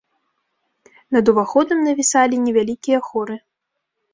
Над уваходам навісалі невялікія хоры.